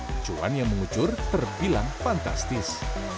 kecuan yang mengucur terbilang fantastis